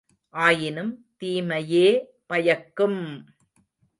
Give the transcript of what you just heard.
ஆயினும் தீமையே பயக்கும்!